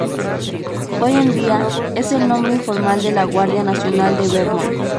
Hoy en día, es el nombre informal de la Guardia Nacional de Vermont.